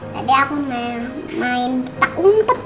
tadi aku main tak umpet